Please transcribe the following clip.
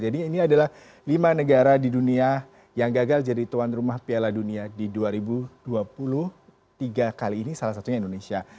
jadi ini adalah lima negara di dunia yang gagal jadi tuan rumah piala dunia di dua ribu dua puluh tiga kali ini salah satunya indonesia